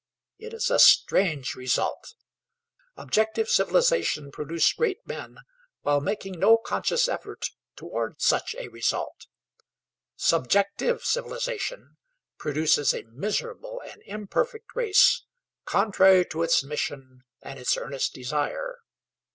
It is a strange result. Objective civilization produced great men while making no conscious effort toward such a result; subjective civilization produces a miserable and imperfect race, contrary to its mission and its earnest desire.